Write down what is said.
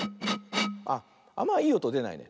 あっあんまいいおとでないね。